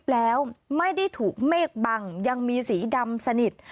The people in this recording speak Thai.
แล้วไม่ได้ถูกเมฆบังยังมีสีดำสนิท